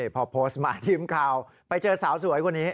พอโพสต์มาทีมข่าวไปเจอสาวสวยคนนี้